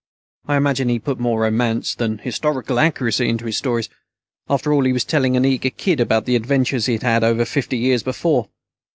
I imagine he put more romance than historical accuracy into his stories. After all, he was telling an eager kid about the adventures he'd had over fifty years before.